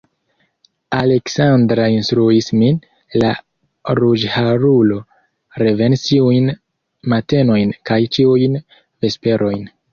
Aleksandra instruis min, la ruĝharulo revenis ĉiujn matenojn kaj ĉiujn vesperojn.